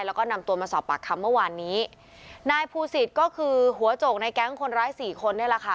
แล้วก็นำตัวมาสอบปากคำเมื่อวานนี้นายภูศิษย์ก็คือหัวโจกในแก๊งคนร้ายสี่คนนี่แหละค่ะ